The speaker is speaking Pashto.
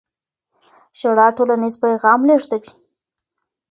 ژړا ټولنیز پیغام لېږدوي.